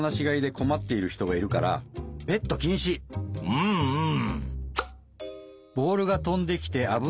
うんうん。